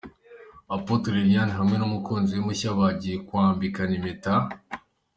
Apotre Liliane hamwe n'umukunzi we mushya bagiye kwambikana impeta.